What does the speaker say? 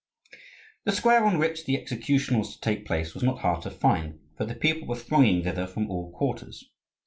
The square on which the execution was to take place was not hard to find: for the people were thronging thither from all quarters.